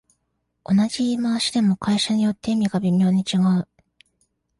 同じ言い回しでも会社によって意味が微妙に違う